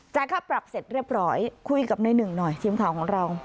ค่าปรับเสร็จเรียบร้อยคุยกับในหนึ่งหน่อยทีมข่าวของเรา